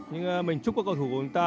nhưng mình chúc các cầu thủ của chúng ta